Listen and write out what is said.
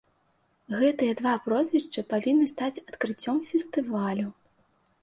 Гэтыя два прозвішчы павінны стаць адкрыццём фестывалю.